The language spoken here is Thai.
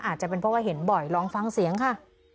อาจจะเป็นเพราะว่าเห็นบ่อยลองฟังเสียงค่ะ